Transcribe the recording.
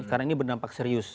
karena ini berdampak serius